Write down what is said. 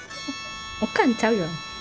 おかんちゃうよ。